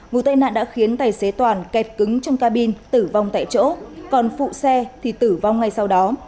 vụ tai nạn đã khiến tài xế toàn kẹt cứng trong cabin tử vong tại chỗ còn phụ xe thì tử vong ngay sau đó